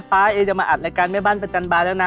เอจะมาอัดรายการแม่บ้านประจันบาแล้วนะ